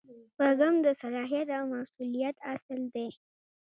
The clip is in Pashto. شپږم د صلاحیت او مسؤلیت اصل دی.